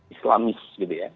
islamis gitu ya